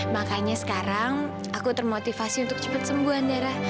makanya sekarang aku termotivasi untuk cepat sembuh andara